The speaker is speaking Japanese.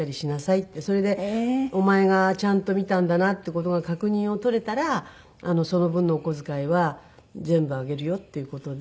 それでお前がちゃんと見たんだなっていう事が確認を取れたらその分のお小遣いは全部あげるよっていう事で。